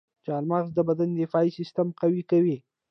چارمغز د بدن دفاعي سیستم قوي کوي.